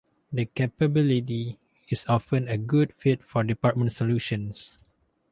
This capability is often a good fit for department solutions.